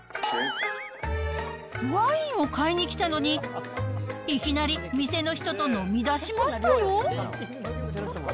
ワインを買いに来たのに、いきなり店の人と飲みだしましたよ。